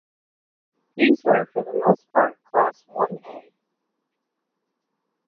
These were for the most part Class One-A.